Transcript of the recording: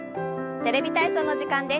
「テレビ体操」の時間です。